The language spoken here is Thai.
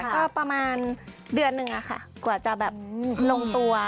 ก็ประมาณเดือนนึงอะค่ะกลับจะลงตัว